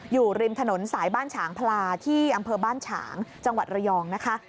อยู่ริมถนนสายบ้านฉางพลาที่อำเภอบ้านฉางจังหวัดระยองนะคะ